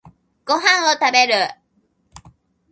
ご飯を食べる。